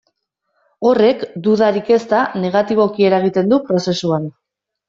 Horrek, dudarik ez da, negatiboki eragiten du prozesuan.